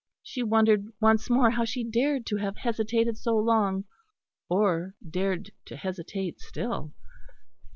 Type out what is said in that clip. She wondered once more how she dared to have hesitated so long; or dared to hesitate still.